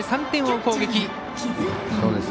３点を追う攻撃。